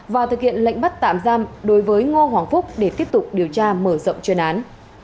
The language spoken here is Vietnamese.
và thực hiện lệnh bắt tạm giam đối với ngô hoàng phúc để tiếp tục điều tra mở rộng chuyên án